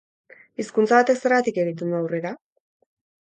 Hizkuntza batek zergatik egiten du aurrera?